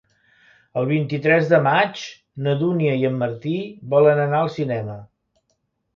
El vint-i-tres de maig na Dúnia i en Martí volen anar al cinema.